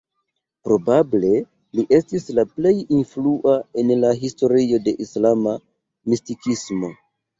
Probable li estis la plej influa en la historio de islama mistikismo.